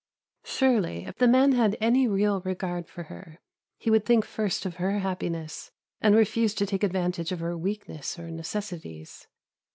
Surely, if the man had any real regard for her, he would think first of her happiness, and refuse to take advantage of her weakness or necessities.